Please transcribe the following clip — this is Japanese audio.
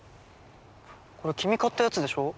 これ君買ったやつでしょ？